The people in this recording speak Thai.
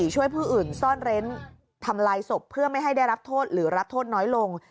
ช่วยผู้อื่นซ่อนเร้นทำลายศพเพื่อไม่ให้ได้รับโทษหรือรับโทษน้อยลง